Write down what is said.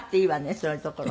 そういうところ。